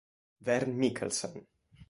Vern Mikkelsen